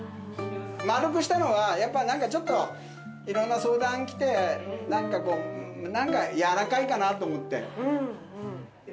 まるくしたのはやっぱ何かちょっといろんな相談来て何かこう柔らかいかなと思って。